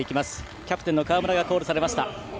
キャプテンの川村がコールされました。